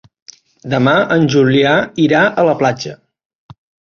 Demà en Julià irà a la platja.